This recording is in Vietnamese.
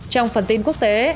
trong phần tin quốc tế